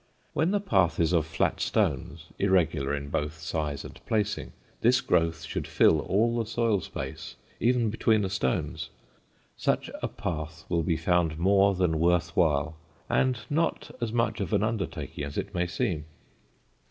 When the path is of flat stones, irregular in both size and placing, this growth should fill all the soil space even between the stones. Such a path will be found more than worth while, and not as much of an undertaking as it may seem.